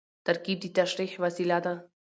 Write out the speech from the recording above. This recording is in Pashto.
ترکیب د تشریح وسیله ده.